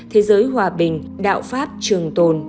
thế giới hòa bình đạo pháp trường tồn